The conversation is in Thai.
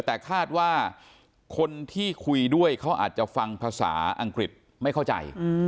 แต่คาดว่าคนที่คุยด้วยเขาอาจจะฟังภาษาอังกฤษไม่เข้าใจ